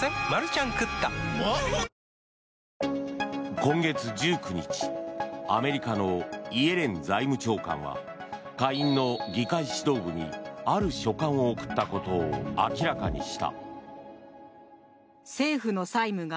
今月１９日アメリカのイエレン財務長官は下院の議会指導部にある書簡を送ったことを明らかにした。